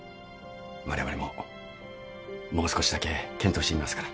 われわれももう少しだけ検討してみますから。